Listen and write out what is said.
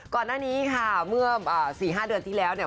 ก่อนหน้านี้ค่ะเมื่อ๔๕เดือนที่แล้วเนี่ย